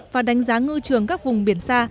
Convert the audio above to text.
và đánh giá ngư trường các vùng biển